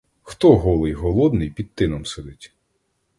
Хто голий, голодний під тином сидить?